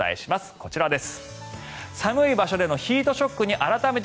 こちらです。